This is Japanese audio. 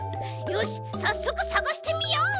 よしさっそくさがしてみよう！